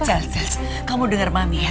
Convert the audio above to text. celses kamu dengar mami ya